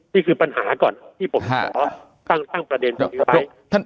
นี่คือปัญหาก่อนที่ผมขอตั้งประเด็นตรงนี้ไว้